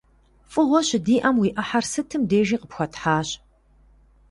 ФӀыгъуэ щыдиӀэм, уи Ӏыхьэр сытым дежи къыпхуэтхьащ.